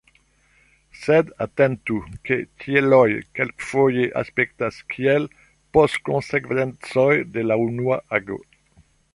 Sed atentu ke tieloj kelkfoje aspektas kiel postkonsekvencoj de la unua ago.